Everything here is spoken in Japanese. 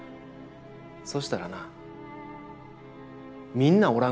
そしたらなみんなおらん